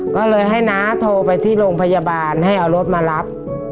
ก็เลยให้น้าโทรไปที่โรงพยาบาลให้เอารถมารับ